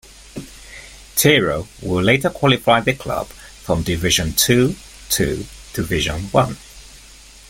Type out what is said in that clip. Tiero will later qualify the club from division two to division one.